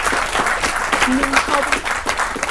Nhưng không